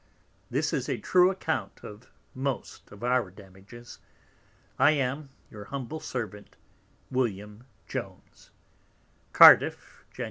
This is a true Account of most of our Damages. I am, Your humble Servant, Cardiff, Jan.